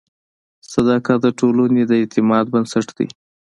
صداقت د ټولنې د اعتماد بنسټ دی.